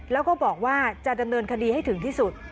แล้วก็บอกว่าจะดำเนินคดีให้ถึงที่สุด